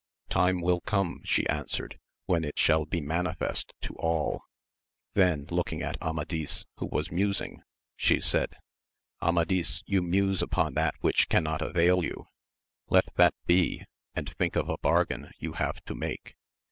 Time will come, she answered, when it shall be manifest to all. Then looking at Amadis, who was musing, she said, Amadis, you muse upon that which cannot avail you : let that be, and think of a bargain you have to make.